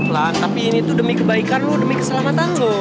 tapi ini tuh demi kebaikan lo demi keselamatan lo